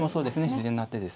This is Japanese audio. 自然な手ですね。